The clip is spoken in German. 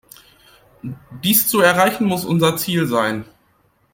Dies zu erreichen, muss unser Ziel sein.